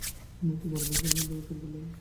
তিনি একটি বড় দূরবীক্ষণ যন্ত্র তৈরি করলেন।